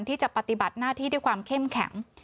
ที่จะปฏิบัติหน้าที่ด้วยความเข้มแข็ง